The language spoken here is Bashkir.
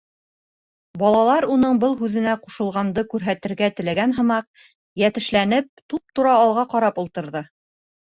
Балалар, уның был һүҙенә ҡушылғанды күрһәтергә теләгән һымаҡ, йәтешләнеп, туп-тура алға ҡарап ултырҙы.